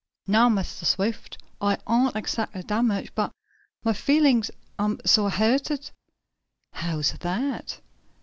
"No, Mistah Swift, I ain't exactly damaged, but mah feelin's am suah hurted." "How's that?"